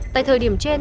tại thời điểm trên